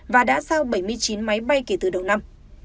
và đã giao bảy mươi chín máy bay kể từ đầu năm